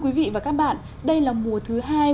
quý vị và các bạn đây là mùa thứ hai